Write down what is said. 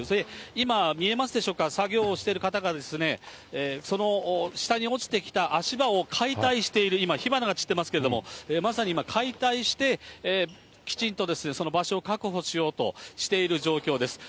今、見えますでしょうか、作業をしている方が、その下に落ちてきた足場を解体している、今、火花が散っていますけれども、まさに今、解体して、きちんとその場所を確保しようとしている状況です。